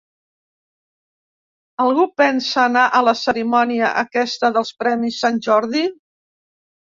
Algú pensa anar a la cerimònia aquesta dels premis sant Jordi?